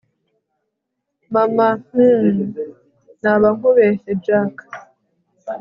mama hhhm! naba nkubeshye jack